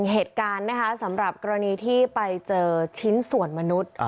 เหตุการณ์นะคะสำหรับกรณีที่ไปเจอชิ้นส่วนมนุษย์